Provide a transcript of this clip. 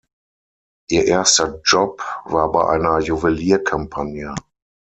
Ihr erster Job war bei einer Juwelier-Kampagne.